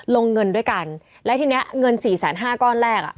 ลงเงินด้วยกันและทีนี้เงิน๔๕๐๐ก้อนแรกอะ